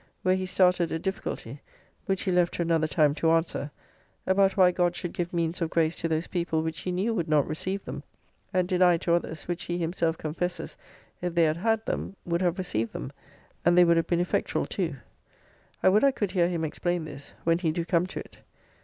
where he started a difficulty, which he left to another time to answer, about why God should give means of grace to those people which he knew would not receive them, and deny to others which he himself confesses, if they had had them, would have received them, and they would have been effectual too. I would I could hear him explain this, when he do come to it.